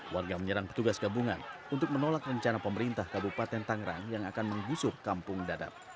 warga menyerang petugas gabungan untuk menolak rencana pemerintah kabupaten tangerang yang akan menggusur kampung dadap